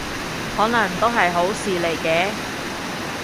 可能都係好事嚟嘅